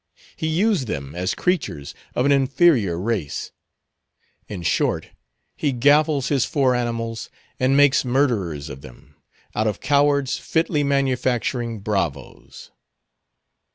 He used them as creatures of an inferior race; in short, he gaffles his four animals, and makes murderers of them; out of cowards fitly manufacturing bravos.